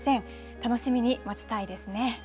楽しみに待ちたいですね。